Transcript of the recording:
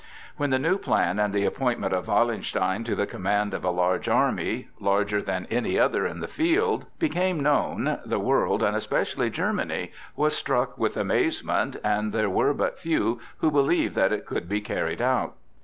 When the new plan and the appointment of Wallenstein to the command of a large army—larger than any other in the field—became known, the world, and especially Germany, was struck with amazement, and there were but few who believed that it could be carried out.